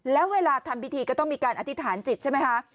แล้วเวลาทำพิธีก็ต้องมีการอธิษฐานจิตใช่ไหมคะ